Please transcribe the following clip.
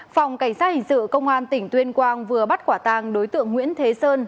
phòng cảnh sát hình sự công an tỉnh tuyên quang vừa bắt quả tàng đối tượng nguyễn thế sơn